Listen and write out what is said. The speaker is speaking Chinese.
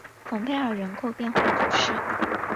孔佩尔人口变化图示